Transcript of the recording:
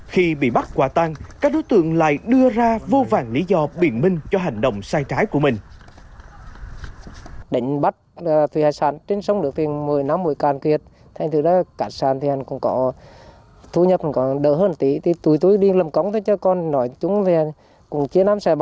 khi bị bắt quả tan các đối tượng lại đưa ra vô vàng lý do biển minh cho hành động sai trái của mình